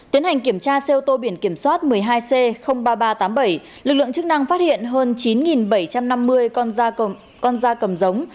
tiến hành kiểm tra xe ô tô biển kiểm soát một mươi hai c ba nghìn ba trăm tám mươi bảy lực lượng chức năng phát hiện hơn chín bảy trăm năm mươi con da con da cầm giống